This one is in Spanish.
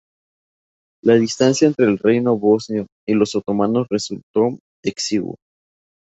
La distancia entre el reino bosnio y los otomanos resultó exigua.